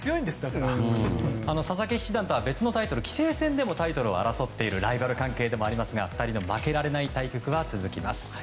佐々木七段とは別のタイトル棋聖戦でもタイトルを争っているライバル関係でもありますが２人の負けられない対局は続きます。